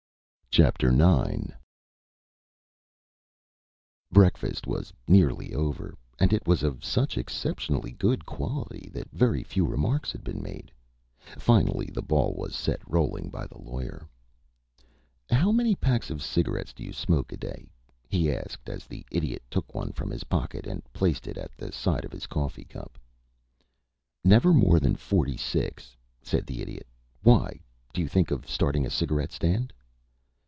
IX Breakfast was very nearly over, and it was of such exceptionally good quality that very few remarks had been made. Finally the ball was set rolling by the Lawyer. "How many packs of cigarettes do you smoke a day?" he asked, as the Idiot took one from his pocket and placed it at the side of his coffee cup. "Never more than forty six," said the Idiot. "Why? Do you think of starting a cigarette stand?"